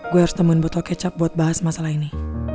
gue harus temen botol kecap buat bahas masalah ini